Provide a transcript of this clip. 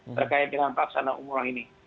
berkait dengan pelaksanaan umroh ini